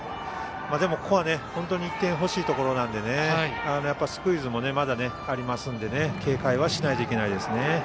でも、ここは本当に１点欲しいところなのでスクイズもまだありますので警戒はしないといけないですね。